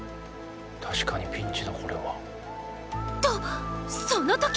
確かにピンチだこれは。とそのとき！